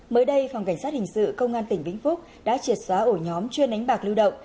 mới đây phòng cảnh sát hình sự công an tỉnh vĩnh phúc đã triệt xóa ổ nhóm chuyên đánh bạc lưu động